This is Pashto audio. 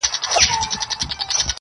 اوس عجيبه جهان كي ژوند كومه.